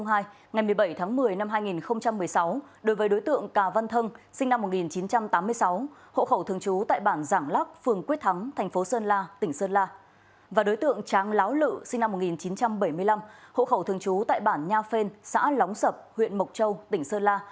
hộ khẩu thường chú tại bản nha phên xã lóng sập huyện mộc châu tỉnh sơn la